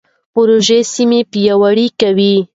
پروژه سیمه پیاوړې کوي.